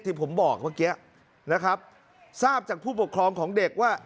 ที่ผมบอกเมื่อกี้นะครับทราบจากผู้ปกครองของเด็กว่า